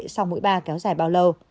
sau mũi ba kéo dài bao lâu